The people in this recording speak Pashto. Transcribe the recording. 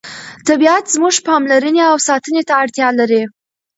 طبیعت زموږ پاملرنې او ساتنې ته اړتیا لري